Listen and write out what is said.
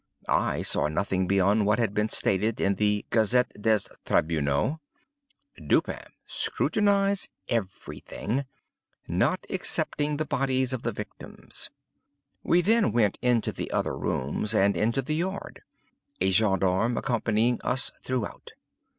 I saw nothing beyond what had been stated in the "Gazette des Tribunaux." Dupin scrutinized every thing—not excepting the bodies of the victims. We then went into the other rooms, and into the yard; a gendarme accompanying us throughout.